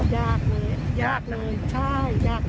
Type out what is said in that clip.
ยากเลยยากเลยใช่ยาก